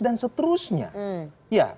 dan seterusnya ya